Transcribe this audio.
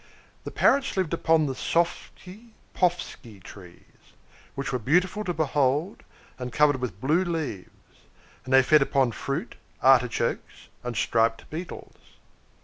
The Parrots lived upon the Soffsky Poffsky trees, which were beautiful to behold, and covered with blue leaves; and they fed upon fruit, artichokes, and striped beetles.